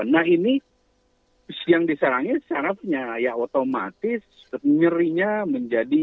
nah ini yang diserangnya syaratnya ya otomatis nyerinya menjadi